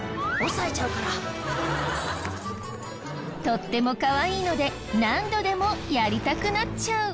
とってもかわいいので何度でもやりたくなっちゃう。